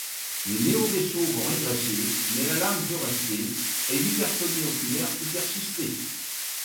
Les néovaisseaux vont régresser, mais la lame peut rester, et l’hypertonie oculaire peut persister.